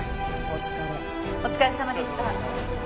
お疲れさまでした。